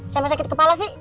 siapa sakit kepala sih